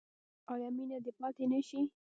آیا مینه دې پاتې نشي؟